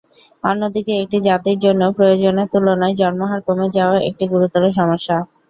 অন্যদিকে একটি জাতির জন্য প্রয়োজনের তুলনায় জন্মহার কমে যাওয়াও একটি গুরুতর সমস্যা।